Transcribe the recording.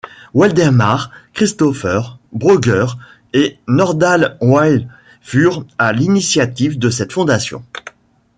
Waldemar Christopher Brøgger et Nordal Wille furent à l'initiative de cette fondation.